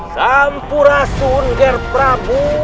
sampurasun nger prabu